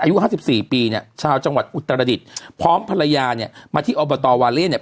อายุห้าสิบสี่ปีเนี่ยชาวจังหวัดอุตรดิษฐ์พร้อมภรรยาเนี่ยมาที่อบตวาเล่เนี่ย